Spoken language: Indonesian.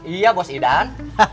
iya bos idan